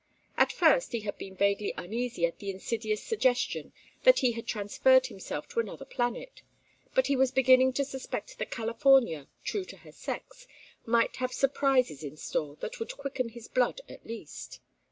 At first he had been vaguely uneasy at the insidious suggestion that he had transferred himself to another planet, but he was beginning to suspect that California, true to her sex, might have surprises in store that would quicken his blood at least.